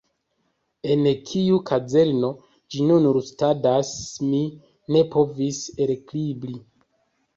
En kiu kazerno ĝi nun rustadas, mi ne povis elkribri.